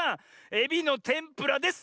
エビのてんぷらです。